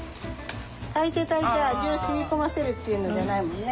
炊いて炊いて味を染み込ませるっていうのじゃないもんね。